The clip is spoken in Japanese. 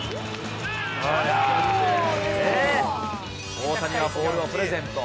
大谷はボールをプレゼント。